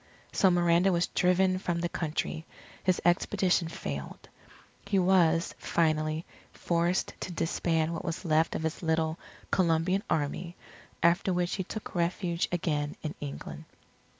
So Miranda was driven from the country. His expedition failed. He was, finally, forced to disband what was left of his little "Colombian Army," after which he took refuge again in England.